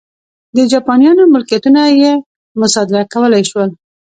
د جاپانیانو ملکیتونه یې مصادره کولای شول.